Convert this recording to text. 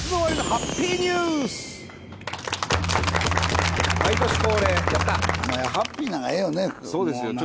ハッピーなんがええよね。